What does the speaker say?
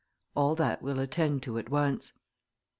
All that we'll attend to at once."